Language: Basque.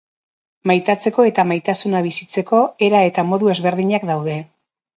Maitatzeko eta maitasuna bizitzeko era eta modu ezberdinak daude.